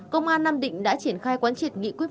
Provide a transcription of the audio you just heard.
công an nam định đã triển khai quán triệt nghị quyết